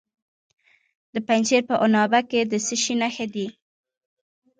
د پنجشیر په عنابه کې د څه شي نښې دي؟